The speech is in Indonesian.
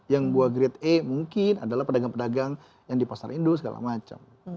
yang buah grade e mungkin adalah pedagang pedagang yang di pasar indu segala macam